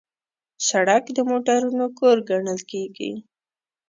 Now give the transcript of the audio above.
سړک د موټرونو کور ګڼل کېږي.